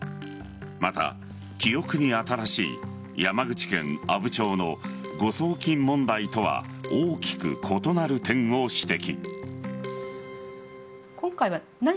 また、記憶に新しい山口県阿武町の誤送金問題とは大きく異なる点を指摘。